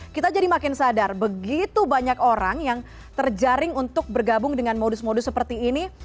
kita jadi makin sadar begitu banyak orang yang terjaring untuk bergabung dengan modus modus seperti ini